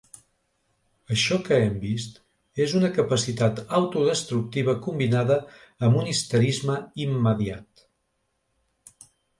Això que hem vist és una capacitat autodestructiva combinada amb un histerisme immediat.